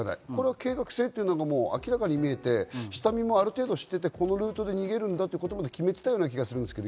計画性が明らかに見えて、下見もある程度、知っていてこのルートで逃げるんだということも決めていた気がするんですけど。